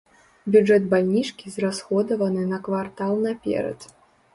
Бюджэт бальнічкі зрасходаваны на квартал наперад.